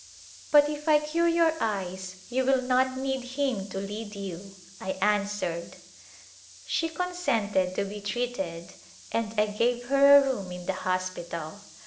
" But if I cure your eyes you will not need him to lead A Glimpse of India you," I answered. She consented to be treated and 1 gave her a room in the hospital.